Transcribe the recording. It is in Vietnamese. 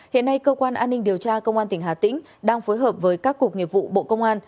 hiện nay cơ quan an ninh điều tra công an tỉnh hà tĩnh đang phối hợp với các cục nghiệp vụ bộ công an